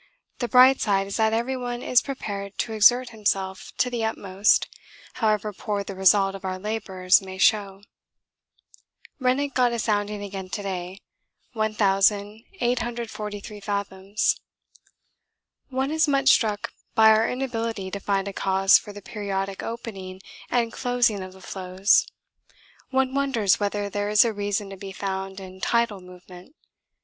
The bright side is that everyone is prepared to exert himself to the utmost however poor the result of our labours may show. Rennick got a sounding again to day, 1843 fathoms. One is much struck by our inability to find a cause for the periodic opening and closing of the floes. One wonders whether there is a reason to be found in tidal movement.